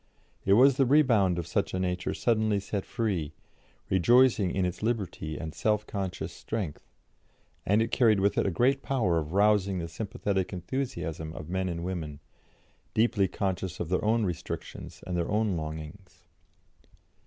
It was the rebound of such a nature suddenly set free, rejoicing in its liberty and self conscious strength, and it carried with it a great power of rousing the sympathetic enthusiasm of men and women, deeply conscious of their own restrictions and their own longings.